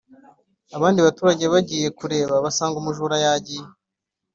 Abandi baturajye bagiye kureba, basanga umujura yagiye